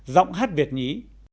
giọng hát việt nhí